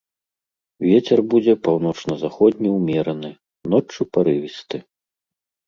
Вецер будзе паўночна-заходні ўмераны, ноччу парывісты.